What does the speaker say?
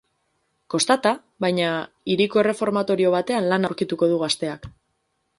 Kostata, baina hiriko erreformatorio batean lana aurkituko du gazteak.